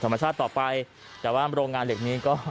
ธรรมชาติต่อไปแต่ว่าโรงงานเหล็กนี้ก็